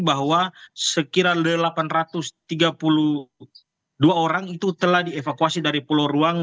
bahwa sekira delapan ratus tiga puluh dua orang itu telah dievakuasi dari pulau ruang